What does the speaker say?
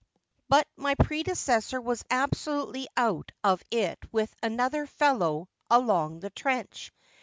But my predecessor was absolutely out of it with another fellow along the trench.